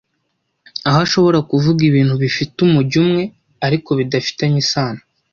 aho ashobora kuvuga ibintu bifite umujyo umwe ariko bidafitanye isano